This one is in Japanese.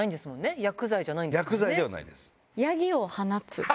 薬剤ではないです。